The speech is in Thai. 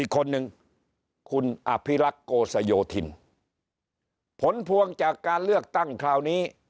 อีกคนนึงคุณอภิรักษ์โกสโยธินผลพวงจากการเลือกตั้งคราวนี้